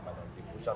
mana yang di pusat